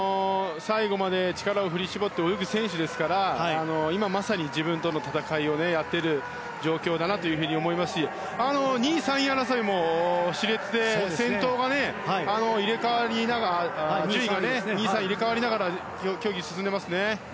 最後まで力を振り絞って泳ぐ選手ですから今まさに自分との闘いをやっている状況だと思いますし２位、３位争いも熾烈で順位が入れ替わりながら競技は進んでいますね。